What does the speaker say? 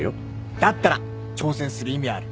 だったら挑戦する意味はある